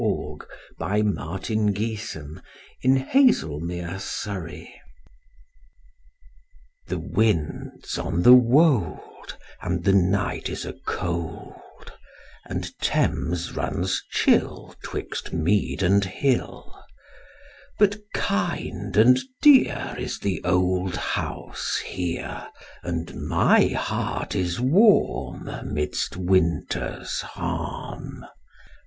William Morris Inscription for an Old Bed THE wind's on the wold And the night is a cold, And Thames runs chill 'Twixt mead and hill. But kind and dear Is the old house here And my heart is warm Midst winter's harm.